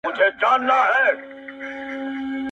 بل فلسطین بله غزه دي کړمه،